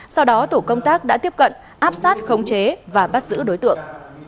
sau đó tổ công tác đã tiếp cận áp sát khống chế và bắt giữ đối tượng